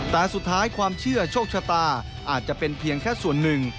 แต่สุดท้ายความเชื่อโชคชะตาอาจจะเป็นเพียงแค่ส่วนหนึ่ง